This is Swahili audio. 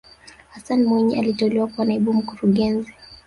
hassan mwinyi aliteuliwa kuwa naibu mkurugenzi